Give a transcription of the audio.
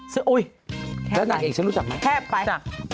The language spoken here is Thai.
ซื้ออุ้ยแค่ไหนแล้วนางเอกฉันรู้จักมั้ยแค่ไปรู้จัก